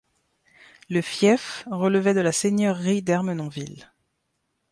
Le fief relevait de la seigneurie d'Ermenonville.